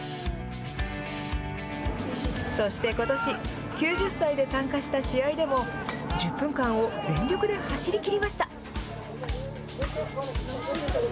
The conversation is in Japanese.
そしてことし、９０歳で参加した試合でも、１０分間を全力で走りきりました。